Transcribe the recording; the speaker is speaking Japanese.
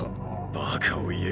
バカを言え。